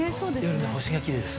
◆夜は星がきれいです。